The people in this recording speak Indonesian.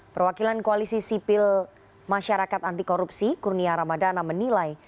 perwakilan koalisi sipil masyarakat antikorupsi kurnia ramadana menilai